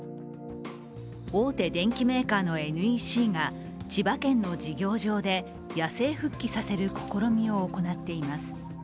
大手電機メーカーのＮＥＣが千葉県の事業場で野生復帰させる試みを行っています。